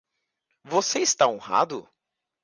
Você está honrado?